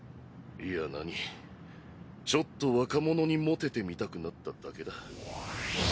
いや何ちょっと若者にモテてみたくなっただけだ。